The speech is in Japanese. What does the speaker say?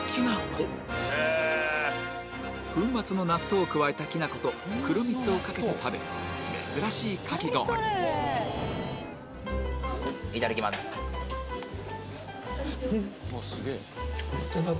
粉末の納豆を加えたきなこと黒蜜をかけて食べる珍しいかき氷いただきます